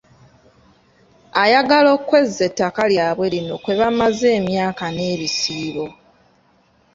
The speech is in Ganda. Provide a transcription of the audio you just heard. Ayagala okwezza ettaka lyabwe lino kwe bamaze emyaka n’ebisiibo.